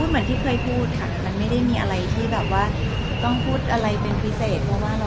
มันไม่ได้มีอะไรที่แบบว่าต้องคุยอะไรเป็นพิเศษ